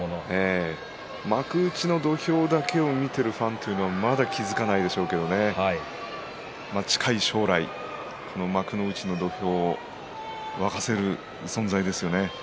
幕内の土俵だけを見ているファンというのはまだ気付かないでしょうけどね近い将来幕内の土俵を沸かせる存在ですよね。